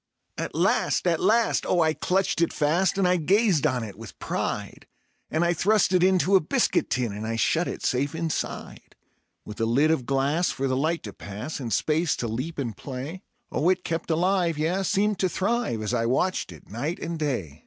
At last, at last! Oh, I clutched it fast, and I gazed on it with pride; And I thrust it into a biscuit tin, and I shut it safe inside; With a lid of glass for the light to pass, and space to leap and play; Oh, it kept alive; yea, seemed to thrive, as I watched it night and day.